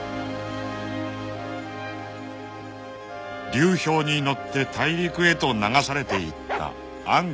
［流氷に乗って大陸へと流されていったアンコだ］